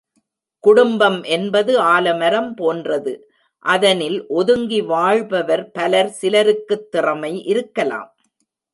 குடும்பம் என்பது ஆலமரம் போன்றது, அதனில் ஒதுங்கி வாழ்பவர் பலர் சிலருக்குத் திறமை இருக்கலாம்.